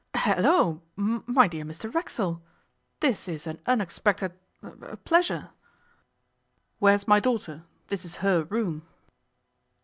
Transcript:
'Hello, my dear Mr Racksole, this is an unexpected ah pleasure.' 'Where is my daughter? This is her room.